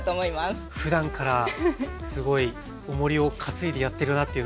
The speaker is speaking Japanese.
ふだんからすごいおもりを担いでやってるなっていうのが。